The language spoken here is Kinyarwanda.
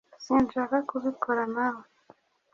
sinshaka kubikora nawe.